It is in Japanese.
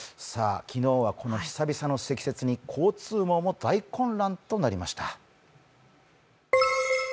昨日は久々の積雪に交通網も大混乱となりました。